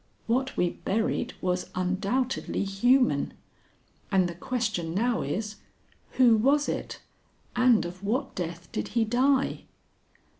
What we buried was undoubtedly human, and the question now is, Who was it, and of what death did he die?"